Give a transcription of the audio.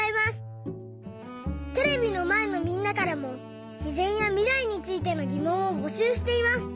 テレビのまえのみんなからもしぜんやみらいについてのぎもんをぼしゅうしています。